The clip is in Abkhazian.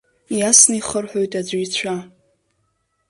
Иасны ихырҳәоит аӡәы ицәа.